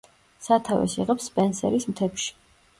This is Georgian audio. სათავეს იღებს სპენსერის მთებში.